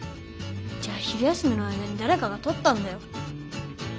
じゃ昼休みの間にだれかがとったんだよ。